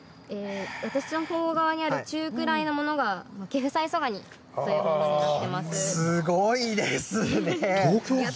私のほう側にある中ぐらいのものがケフサガニというものになってすごいですね。